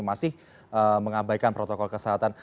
masih mengabaikan protokol kesehatan